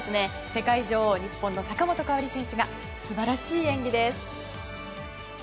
世界女王・日本の坂本花織選手が素晴らしい演技です。